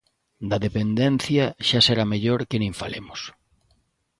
Da Dependencia xa será mellor que nin falemos.